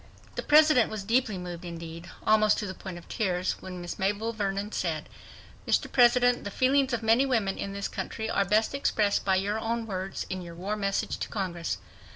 The President was deeply moved, indeed, almost to the point of tears, when Miss Mabel Vernon said, "Mr. President, the feelings of many women in this country are best expressed by your own words in your war message to Congress